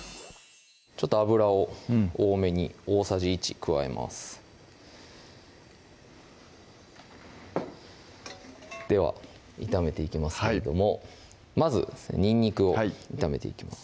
ちょっと油を多めに大さじ１加えますでは炒めていきますけれどもはいまずにんにくを炒めていきます